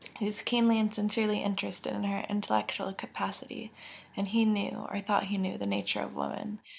He was keenly and sincerely interested in her intellectual capacity, and he knew, or thought he knew, the nature of woman.